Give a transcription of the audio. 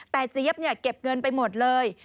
แต่เจี๊ยบเนี่ยเก็บเงินไปหมดเลย